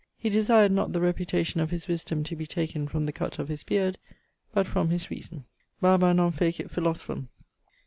'] He desired not the reputation of his wisdome to be taken from the cutt of his beard, but from his reason Barba non facit philosophum.